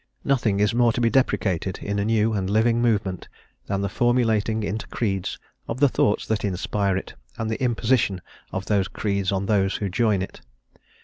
Nothing is more to be deprecated in a new and living movement than the formulating into creeds of the thoughts that inspire it, and the imposition of those creeds on those who join it.